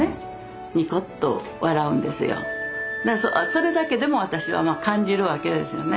それだけでも私は感じるわけですよね。